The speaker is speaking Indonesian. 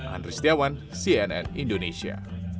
andri setiawan cnn indonesia